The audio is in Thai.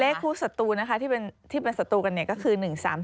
เลขคู่สตูที่เป็นสตูกันก็คือ๑๓๓๑๒๕๕๒๔๘๘๔๖๗๗๖